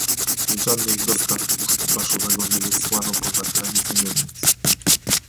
Żadnych dostaw tłuszczu paszowego nie wysłano poza granice Niemiec